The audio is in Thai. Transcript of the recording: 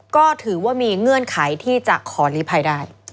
ก็ถือว่ามีเงื่อนไขที่จะขอลีภัยได้